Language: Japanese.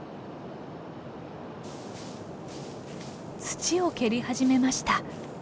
土を蹴り始めました。